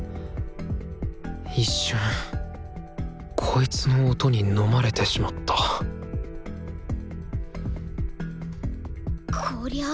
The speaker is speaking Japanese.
一瞬こいつの音に飲まれてしまったこりゃあ